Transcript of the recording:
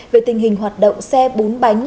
về tình hình hoạt động xe bún bánh